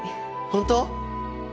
本当？